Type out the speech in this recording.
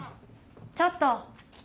ちょっと。